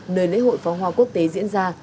nơi lễ hội phó hoa quốc tế diễn ra